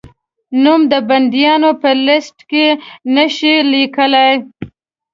نوم د بندیانو په لېسټ کې نه شې لیکلای؟